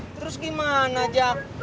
terus gimana jack